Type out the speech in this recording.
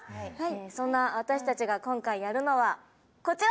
そんな私たちが今回やるのはこちら！